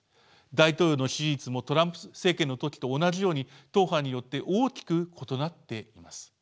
大統領の支持率もトランプ政権の時と同じように党派によって大きく異なっています。